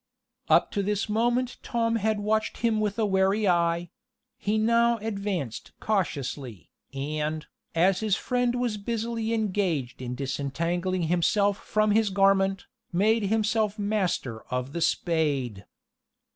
Up to this moment Tom had watched him with a wary eye; he now advanced cautiously, and, as his friend was busily engaged in disentangling himself from his garment, made himself master of the spade.